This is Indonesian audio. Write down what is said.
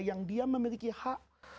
yang dia memiliki hak